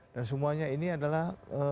dan semuanya ini adalah